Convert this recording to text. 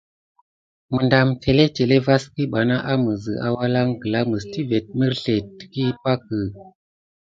Məɗam télétélé vaskiɓana aməzə awalaŋ gla mes tivét mərslét təkəhi pak.